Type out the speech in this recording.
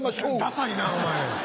ダサいなお前。